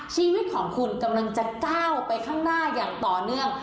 ชีวิตของคุณกำลังจะก้าวไปข้างหน้าอย่างต่อเนื่อง